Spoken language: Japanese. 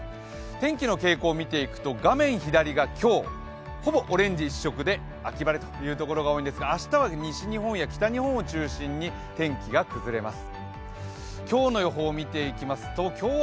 天気の傾向を見ていくと画面左が今日、オレンジ一色で秋晴れという所が多いんですが明日は西日本や北日本を中心に天気が崩れます。